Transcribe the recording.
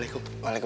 elima permisi ya